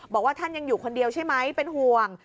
บอกว่าท่านยังอยู่คนเดียวใช่ไหมเป็นห่วง